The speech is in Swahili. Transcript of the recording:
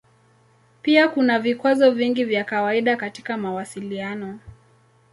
Pia kuna vikwazo vingi vya kawaida katika mawasiliano.